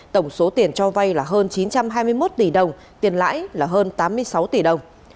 tổng số tiền cho vay là hơn chín trăm hai mươi một tỷ đồng tiền lãi là hơn tám mươi sáu tỷ đồng